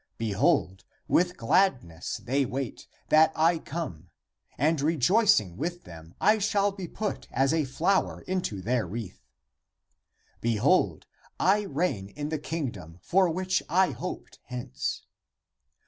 Behold, with gladness they wait that I come, and rejoicing with them I shall be put as a flower into their wreath. Behold, I reign in the Kingdom, for which I hoped hence.